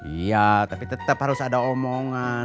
iya tapi tetap harus ada omongan